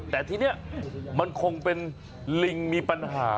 แต่ทีนี้มันคงเป็นลิงมีปัญหา